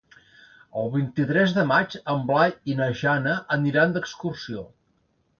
El vint-i-tres de maig en Blai i na Jana aniran d'excursió.